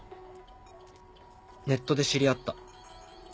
ネットで知り合った。